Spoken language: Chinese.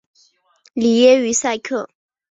里耶于塞克。